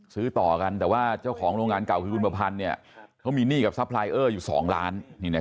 ซื้อต่อกันแต่ว่าเจ้าของโรงงานเก่าคือคุณประพันธ์เขามีหนี้กับซัพพลายเออร์อยู่๒ล้าน